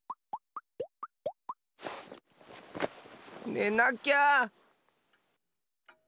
ねなきゃ。